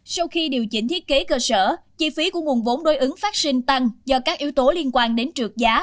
sau khi điều chỉnh thiết kế cơ sở chi phí của nguồn vốn đối ứng phát sinh tăng do các yếu tố liên quan đến trượt giá